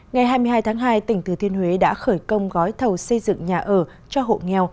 ngày hai mươi hai tháng hai tỉnh thừa thiên huế đã khởi công gói thầu xây dựng nhà ở cho hộ nghèo